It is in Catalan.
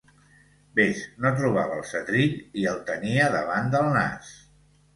Ves, no trobava el setrill, i el tenia davant del nas.